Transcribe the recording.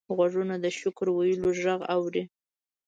غوږونه د شکر ویلو غږ اوري